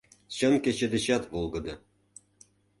Чын кече дечат волгыдо.